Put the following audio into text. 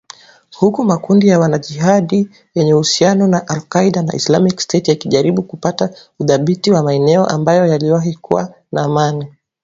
Huku makundi ya wanajihadi yenye uhusiano na al-Qaeda na Islamic State yakijaribu kupata udhibiti wa maeneo ambayo yaliwahi kuwa na amani